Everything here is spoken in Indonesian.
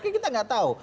kita tidak tahu